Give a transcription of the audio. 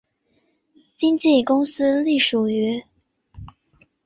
经纪公司隶属于。